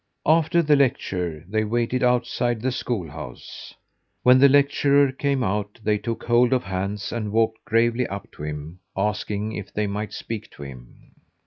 After the lecture they waited outside the schoolhouse. When the lecturer came out they took hold of hands and walked gravely up to him, asking if they might speak to him.